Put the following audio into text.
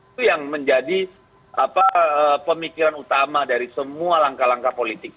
itu yang menjadi pemikiran utama dari semua langkah langkah politik